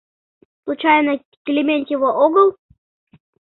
Случайно Клементьева огыл?